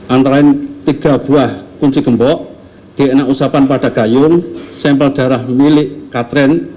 antara ini tiga buah kunci gembok dna usapan pada kayung sampel darah milik katrine